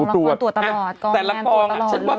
ตรวจตรวจตลอด